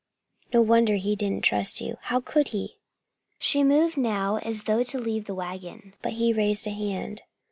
No wonder he didn't trust you. How could he?" She moved now as though to leave the wagon, but he raised a hand.